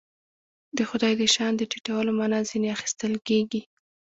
د خدای د شأن د ټیټولو معنا ځنې اخیستل کېږي.